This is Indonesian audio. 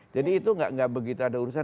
jadi itu gak begitu ada urusan